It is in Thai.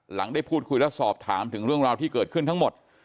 ได้พูดคุยและสอบถามถึงเรื่องราวที่เกิดขึ้นทั้งหมด